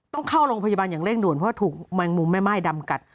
ต้องเข้าโรงพยาบาลอย่างเร่งด่วนเพราะถูกแมงมุมแม่ม่ายดำกัด